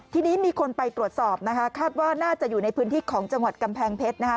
ทีนี้มีคนไปตรวจสอบนะคะคาดว่าน่าจะอยู่ในพื้นที่ของจังหวัดกำแพงเพชรนะคะ